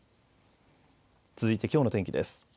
続いてきょうの天気です。